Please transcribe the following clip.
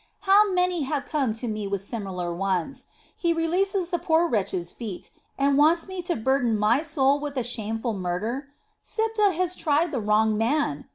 How many have come to me with similar ones. He releases the poor wretches' feet, and wants me to burden my soul with a shameful murder. Siptah has tried the wrong man!